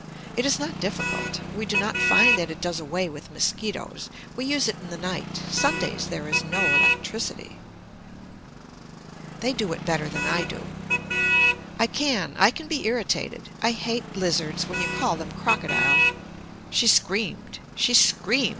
It is not difficult. We do not find that it does away with mosquitoes. We use it in the night. Sundays there is no electricity. THEY DO IT BETTER THAN I DO I can. I can be irritated. I hate lizards when you call them crocodile. She screamed. She screamed.